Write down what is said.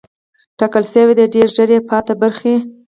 ټاکل شوې ده ډېر ژر یې پاتې برخې